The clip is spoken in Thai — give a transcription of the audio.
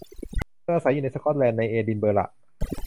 เธออาศัยอยู่ในสก๊อตแลนด์ ในเอดินเบอระ